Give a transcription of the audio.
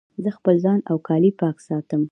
زه خپل ځان او کالي پاک ساتم.